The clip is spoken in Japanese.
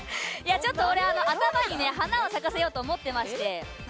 俺、頭に花を咲かせようと思ってまして。